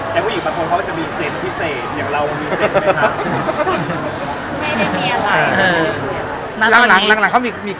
แต่ว่าถ้ามันอยู่ตรงนั้นก็ไม่โอเค